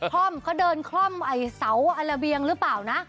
คล่อมเขาเดินคล่อมไอ้เสาระเบียงหรือเปล่านะ